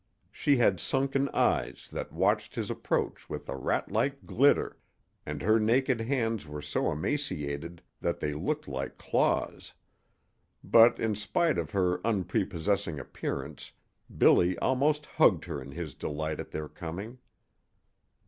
She had sunken eyes that watched his approach with a ratlike glitter, and her naked hands were so emaciated that they looked like claws; but in spite of her unprepossessing appearance Billy almost hugged her in his delight at their coming.